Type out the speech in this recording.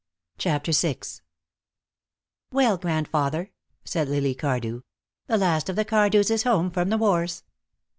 CHAPTER VI "Well, grandfather," said Lily Cardew, "the last of the Cardews is home from the wars."